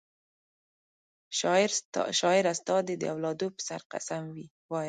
شاعره ستا دي د اولاد په سر قسم وي وایه